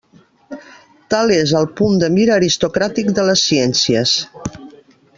Tal és el punt de mira aristocràtic de les ciències.